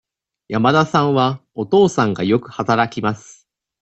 山田さんは、お父さんがよく働きます。